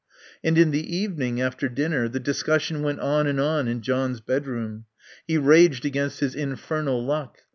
And in the evening, after dinner, the discussion went on and on in John's bedroom. He raged against his infernal luck.